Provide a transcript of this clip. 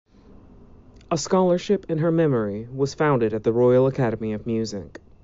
A scholarship in her memory was founded at the Royal Academy of Music.